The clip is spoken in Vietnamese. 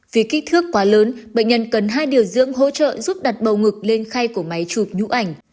vì kích thước quá lớn bệnh nhân cần hai điều dưỡng hỗ trợ giúp đặt bầu ngực lên khay của máy chụp nhũ ảnh